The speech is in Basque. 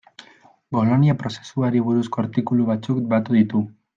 Bolonia prozesuari buruzko artikulu batzuk batu ditu.